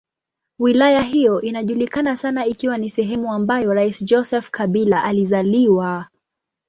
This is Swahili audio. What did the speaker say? Wilaya hiyo inajulikana sana ikiwa ni sehemu ambayo rais Joseph Kabila alizaliwa.